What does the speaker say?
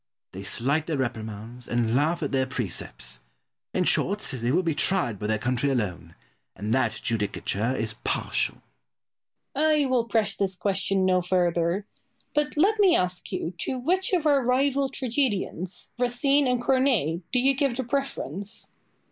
They slight their reprimands, and laugh at their precepts in short, they will be tried by their country alone; and that judicature is partial. Boileau. I will press this question no further. But let me ask you to which of our rival tragedians, Racine and Corneille, do you give the preference?